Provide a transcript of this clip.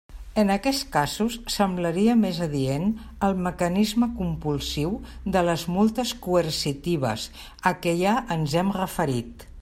En aquests casos semblaria més adient el mecanisme compulsiu de les multes coercitives a què ja ens hem referit.